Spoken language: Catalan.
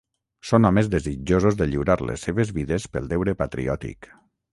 Són homes desitjosos de lliurar les seves vides pel deure patriòtic.